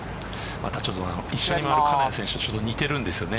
一緒に回る金谷選手と似ているんですよね。